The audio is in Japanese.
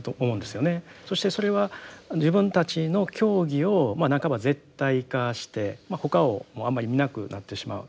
そしてそれは自分たちの教義を半ば絶対化して他をもうあんまり見なくなってしまう。